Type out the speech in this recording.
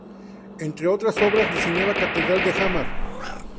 Entre otras obras, diseñó la Catedral de Hamar.